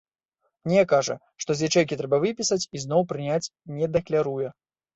Не кажа, што з ячэйкі трэба выпісаць, і зноў прыняць не дакляруе.